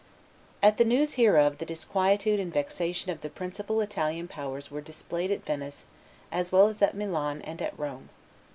At the news hereof the disquietude and vexation of the principal Italian powers were displayed at Venice as well as at Milan and at Rome.